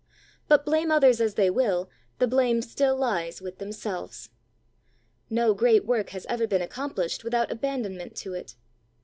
But blame others as they will, the blame still lies with themseK'es. No great work has ever been accomplished without abandonment to it.